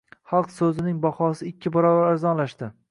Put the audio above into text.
“Xalq so‘zi”ning bahosi ikki barobar arzonlashdi